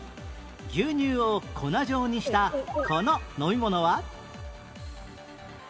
牛乳を粉状にしたこの飲み物は？